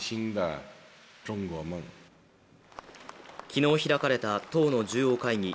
昨日開かれた党の重要会議